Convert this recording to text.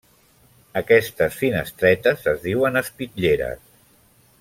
Aquestes finestretes es diuen espitlleres.